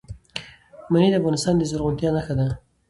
منی د افغانستان د زرغونتیا نښه ده.